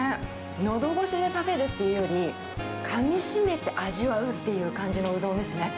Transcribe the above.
のどごしで食べるっていうより、かみしめて味わうっていう感じのうどんですね。